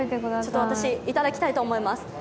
私、頂きたいと思います。